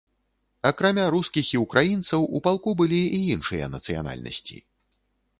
Акрамя рускіх і ўкраінцаў, у палку былі і іншыя нацыянальнасці.